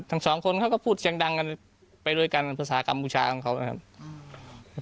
ทั้งสองคนเขาก็พูดเสียงดังกันไปด้วยกันภาษากัมพูชาของเขานะครับ